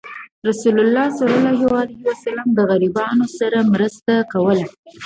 رسول الله صلى الله عليه وسلم د غریبانو سره مرسته کوله.